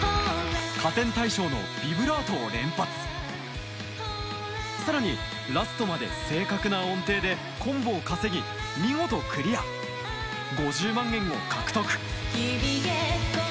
加点対象のビブラートを連発さらにラストまで正確な音程でコンボを稼ぎ見事クリア５０万円を獲得